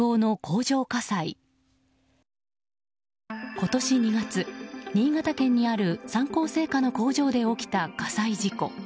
今年２月、新潟県にある三幸製菓の工場で起きた火災事故。